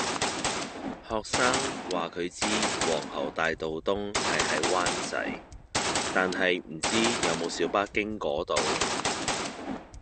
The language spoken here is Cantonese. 學生話佢知皇后大道東係喺灣仔，但係唔知有冇小巴經嗰度